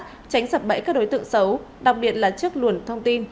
tránh sập bẫy các đối tượng xấu đặc biệt là trước luồng thông tin